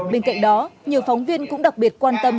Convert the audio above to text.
bên cạnh đó nhiều phóng viên cũng đặc biệt quan tâm